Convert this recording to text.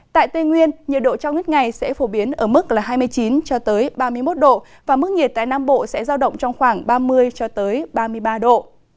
tại tây nguyên nhiệt độ cao nhất ngày sẽ phổ biến ở mức hai mươi chín ba mươi một độ và mức nhiệt tại nam bộ sẽ giao động trong khoảng ba mươi ba mươi ba độ